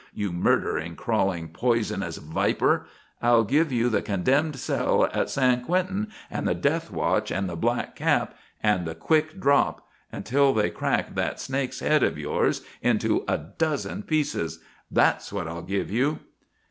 You murdering, crawling, poisonous viper! I'll give you the condemned cell at San Quentin and the death watch and the black cap, and the quick drop, until they crack that snake's neck of yours into a dozen pieces! That's what I'll give you!"